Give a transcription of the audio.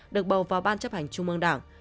được bầu vào ban chấp hành trung mương đảng